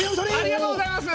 ありがとうございます！